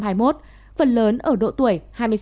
phần lớn ở độ tuổi hai mươi sáu